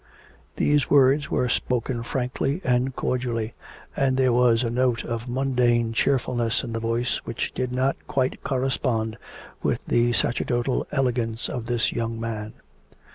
These words were spoken frankly and cordially, and there was a note of mundane cheerfulness in the voice which did not quite correspond with the sacerdotal elegance of this young man.